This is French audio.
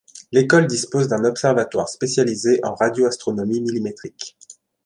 L'école dispose d'un observatoire spécialisé en radioastronomie millimétrique.